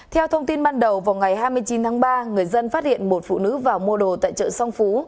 theo thông tin ban đầu vào ngày hai mươi chín tháng ba người dân phát hiện một phụ nữ vào mua đồ tại chợ song phú